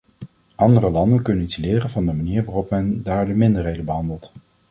Andere landen kunnen iets leren van de manier waarop men daar de minderheden behandelt.